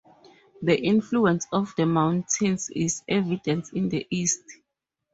The influence of the mountains is evident in the east.